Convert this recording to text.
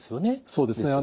そうですね。